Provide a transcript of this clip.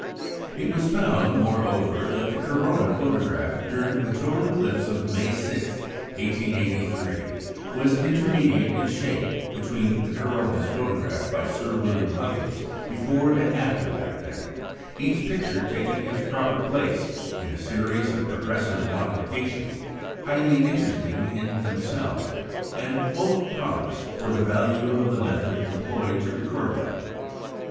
It was found, moreover, that the corona photographed during the total eclipse of May 6, 1883, was intermediate in shape between the coronas photographed by Sir William Huggins before and after that event, each picture taking its proper place in a series of progressive modifications highly interesting in themselves, and full of promise for the value of the method employed to record them.